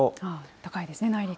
高いですね、内陸部。